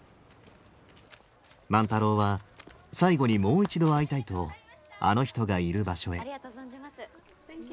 万太郎は最後にもう一度会いたいとあの人がいる場所へ。